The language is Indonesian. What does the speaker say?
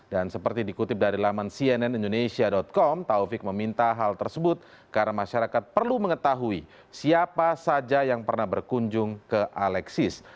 dan seperti dikutip dari laman cnn indonesia com taufik meminta hal tersebut karena masyarakat perlu mengetahui siapa saja yang pernah berkunjung ke alexis